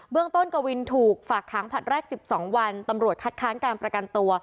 เบื้องต้นกวินถูกฝากค้างผลัทแรกสิบสองวันตำรวจคัดค้างการประกันตัว